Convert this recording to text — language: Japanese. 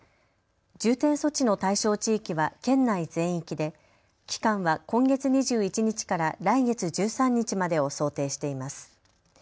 重点措置の対象地域は県内全域で期間は今月２１日から来月１３日までを想定しています。